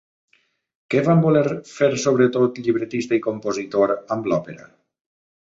Què van voler fer sobretot llibretista i compositor amb l'òpera?